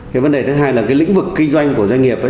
cái vấn đề thứ hai là cái lĩnh vực kinh doanh của doanh nghiệp ấy